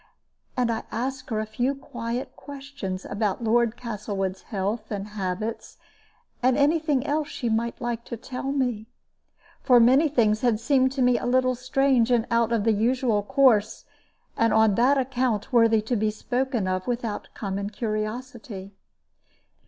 And I asked her a few quiet questions about Lord Castlewood's health and habits, and any thing else she might like to tell me. For many things had seemed to me a little strange and out of the usual course, and on that account worthy to be spoken of without common curiosity.